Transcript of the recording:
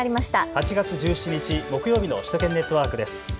８月１７日木曜日の首都圏ネットワークです。